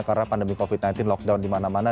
karena pandemi covid sembilan belas lockdown di mana mana